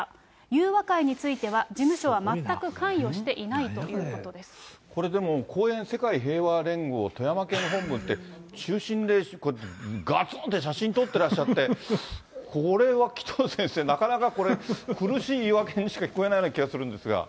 裕和会については、事務所は全くこれ、でも、講演世界平和連合富山県本部って、中心でがつんって写真撮ってらっしゃって、これは紀藤先生、なかなか苦しい言い訳にしか聞こえないんですが。